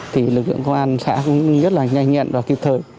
thì lực lượng công an xã cũng rất là nhanh nhạn và kịp thời